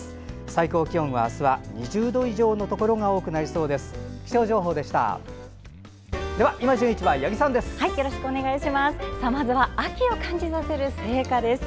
最高気温は２０度以上のところが多くなりそうです。